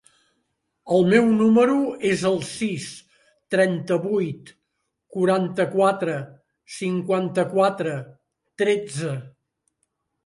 El meu número es el sis, trenta-vuit, quaranta-quatre, cinquanta-quatre, tretze.